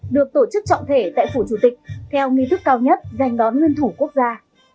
được tổ chức trọng thể tại phủ chủ tịch theo nghi thức cao nhất dành đón nguyên thủ quốc gia